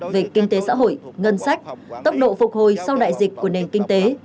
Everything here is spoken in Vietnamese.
về kinh tế xã hội ngân sách tốc độ phục hồi sau đại dịch của nền kinh tế